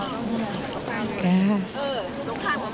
เออตรงข้างของปัง